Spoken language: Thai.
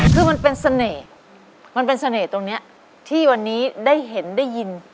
คือมันเป็นเสน่ห์มันเป็นเสน่ห์ตรงนี้ที่วันนี้ได้เห็นได้ยิน